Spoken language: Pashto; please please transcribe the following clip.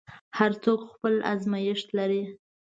هر څوک خپل ازمېښت لري.